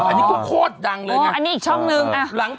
อันนี้ก็โคตรดังเลยนะอันนี้อีกช่องนึง